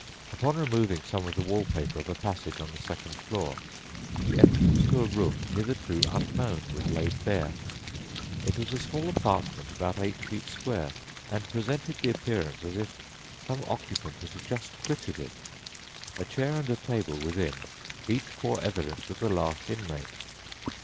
Upon removing some of the wallpaper of a passage on the second floor, the entrance to a room hitherto unknown was laid bare. It was a small apartment about eight feet square, and presented the appearance as if some occupant had just quitted it. A chair and a table within, each bore evidence of the last inmate.